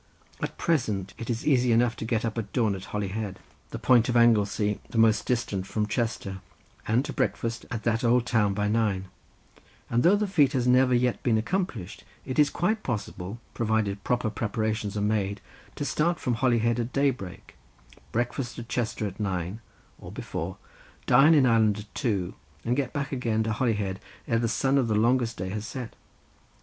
At present it is easy enough to get up at dawn at Holyhead, the point of Anglesey the most distant from Chester, and to breakfast at that old town by nine; and though the feat has never yet been accomplished, it would be quite possible, provided proper preparations were made, to start from Holyhead at daybreak, breakfast at Chester at nine, or before, dine in Ireland at two, and get back again to Holyhead ere the sun of the longest day has set.